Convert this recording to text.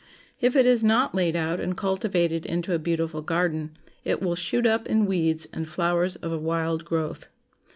If it is not laid out and cultivated into a beautiful garden, it will shoot up in weeds and flowers of a wild growth.